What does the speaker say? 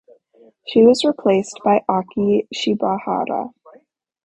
She was replaced by Aki Shibahara.